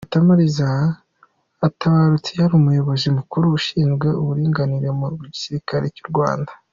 Margaret Batamuriza atabarutse yari umuyobozi Mukuru ushinzwe uburinganire mu gisirikare cy’u Rwanda.